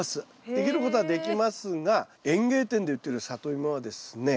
できることはできますが園芸店で売ってるサトイモはですね